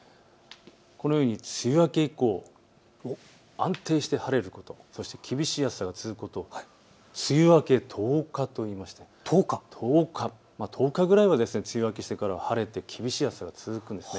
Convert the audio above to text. このように梅雨明け以降、安定して晴れること、そして厳しい暑さが続くことを梅雨明け十日といいまして１０日ぐらいは梅雨明けしてから晴れて厳しい暑さが続くんです。